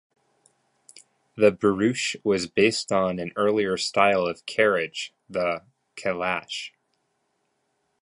The barouche was based on an earlier style of carriage, the calash.